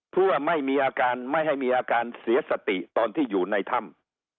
เพื่อไม่มีอาการไม่ให้มีอาการเสียสติตอนที่อยู่ในถ้ำ